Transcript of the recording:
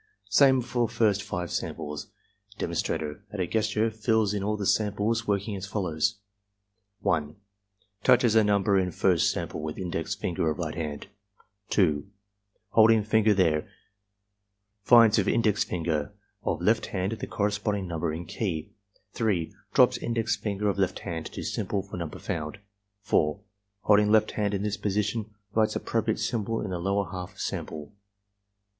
Same for first five samples. Demonstrator, at a gesture, fills in all the samples, working as follows: (1) Touches the number in first sample with index finger of right hand; (2) holding finger there, finds with index finger of left hand the corresponding number in key; (3) drops index finger of left hand to symbol for nimiber found; (4) holding left hand in this position writes appropriate symbol in the lower half of sample.